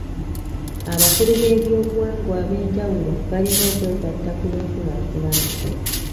Abakulu b'ebyobuwangwa eb'enjawulo balina okwegatta ku lw'enkulaakulana.